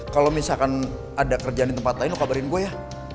kalau misalkan ada kerjaan di tempat lain mau kabarin gue ya